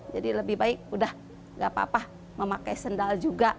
jadi lebih baik sudah gak apa apa memakai sendal juga